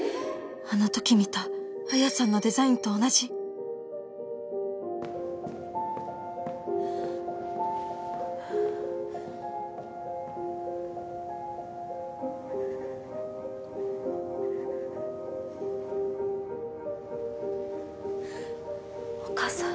あのとき見た綾さんのデザインと同じお母さん。